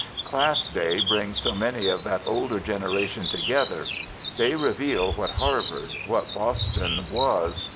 Class Day brings so many of that older generation together. They reveal what Harvard, what Boston, was.